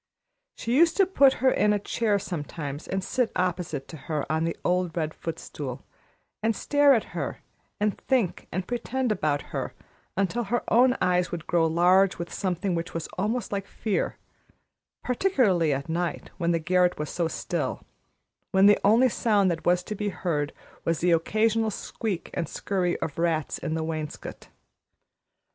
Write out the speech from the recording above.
She used to put her in a chair sometimes and sit opposite to her on the old red footstool, and stare at her and think and pretend about her until her own eyes would grow large with something which was almost like fear, particularly at night, when the garret was so still, when the only sound that was to be heard was the occasional squeak and scurry of rats in the wainscot.